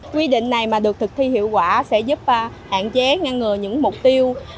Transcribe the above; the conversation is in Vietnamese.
quy định này mà được thực thi hiệu quả sẽ giúp hạn chế ngăn ngừa những mục tiêu